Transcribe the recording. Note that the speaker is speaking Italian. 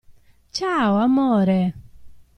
Ciao, amore!